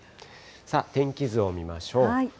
天気図を見ましょう。